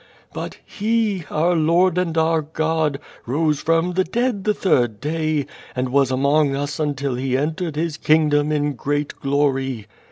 "But He, our Lord and our God, rose from the dead the third day, and was among us until He entered His kingdom in great glory.